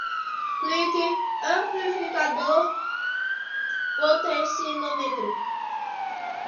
clique, amplificador, potenciômetro